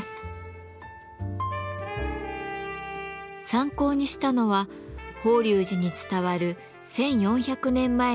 参考にしたのは法隆寺に伝わる１，４００年前の織物。